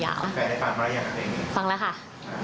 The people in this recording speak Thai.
แฟนได้ฟังอะไรอย่างกับเพลงนี้